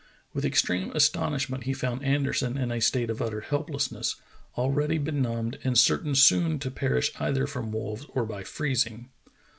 With extreme astonishment he found Anderson in a state of utter helplessness, already benumbed and certain soon to perish either from wolves or by freezing.